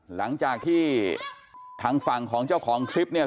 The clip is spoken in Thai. หลังจากที่ทางฝั่งของเจ้าของคลิปเนี่ย